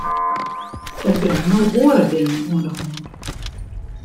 Der binne no oare dingen oan de hân.